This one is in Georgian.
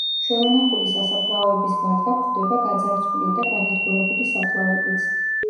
შემონახული სასაფლაოების გარდა გვხვდება გაძარცვული და განადგურებული საფლავებიც.